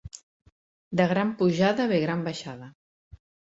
De gran pujada ve gran baixada.